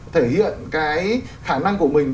thể hiện cái khả năng của mình